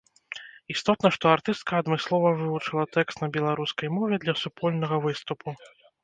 Істотна, што артыстка адмыслова вывучыла тэкст на беларускай мове для супольнага выступу.